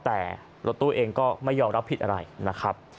แต่รถตู้เองก็ไม่ยอมรับผิดอะไรนะครับ